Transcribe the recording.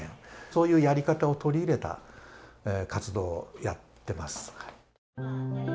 そういうやり方を取り入れた活動をやってます。